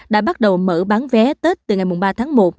đã bắt đầu mở bán vé tết từ ngày ba tháng một